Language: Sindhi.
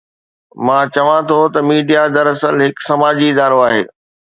مان چوان ٿو ته ميڊيا دراصل هڪ سماجي ادارو آهي.